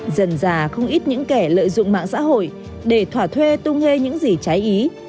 dần già không ít những kẻ lợi dụng mạng xã hội để thỏa thuê tu nghe những gì trái ý